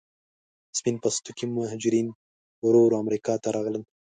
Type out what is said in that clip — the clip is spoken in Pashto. سپین پوستکي مهاجرین ورو ورو امریکا ته راغلل.